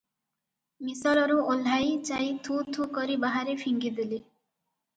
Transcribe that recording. ମିସଲରୁ ଓହ୍ଲାଇ ଯାଇ ଥୁ ଥୁ କରି ବାହାରେ ଫିଙ୍ଗି ଦେଲେ ।